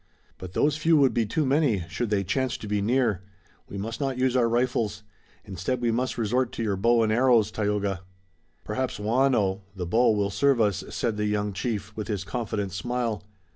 "But those few would be too many, should they chance to be near. We must not use our rifles. Instead we must resort to your bow and arrows, Tayoga." "Perhaps waano (the bow) will serve us," said the young chief, with his confident smile.